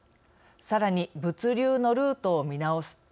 さらに、物流のルートを見直す